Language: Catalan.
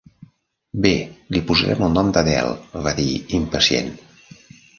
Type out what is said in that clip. "Bé, li posarem el nom d'Adele", va dir impacient.